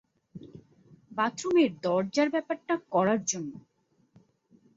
বাথরুমের দরজার ব্যাপারটা করার জন্যে।